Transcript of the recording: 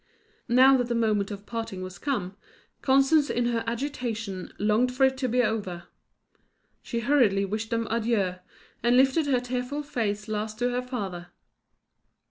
Now that the moment of parting was come, Constance in her agitation longed for it to be over. She hurriedly wished them adieu, and lifted her tearful face last to her father.